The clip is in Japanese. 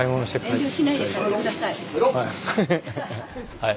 はい。